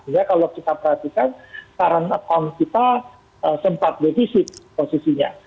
ya kalau kita perhatikan sekarang kita sempat deficit posisinya